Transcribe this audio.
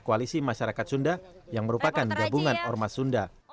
koalisi masyarakat sunda yang merupakan gabungan ormas sunda